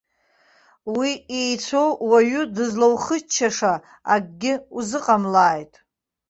Уи иеицәоу уаҩы дызлаухыччаша акгьы узыҟамлааит.